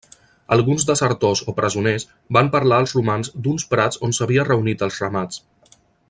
Alguns desertors o presoners van parlar als romans d'uns prats on s'havia reunit els ramats.